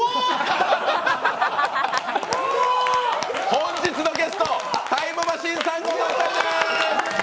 本日のゲスト、タイムマシーン３号のお二人です！